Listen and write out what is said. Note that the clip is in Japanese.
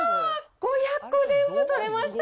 ５００個全部取れました。